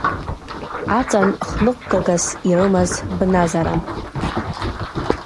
Аҵан хныҟәгагас ирымаз бназаран.